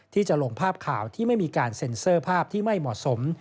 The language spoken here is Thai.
ที่จะลงภาพข่าวที่ไม่มีการเซ็นเซอร์ภาพที่ไม่เหมาะสม